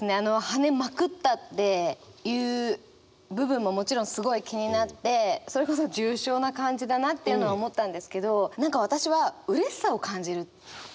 「跳ねまくった」っていう部分ももちろんすごい気になってそれこそ重症な感じだなっていうのは思ったんですけど何か私はうれしさを感じる。